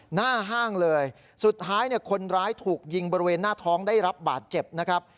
หน้าห้างเลยสุดท้ายเนี่ยคนร้ายถูกยิงบริเวณหน้าท้องได้รับบาดเจ็บนะครับ